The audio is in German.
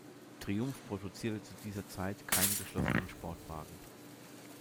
Triumph produzierte zu dieser Zeit keine geschlossenen Sportwagen.